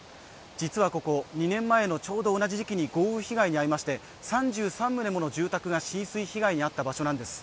実はここ２年前のちょうど同じ時期に豪雨被害に遭いまして３３棟もの住宅が浸水被害に遭った場所なんです。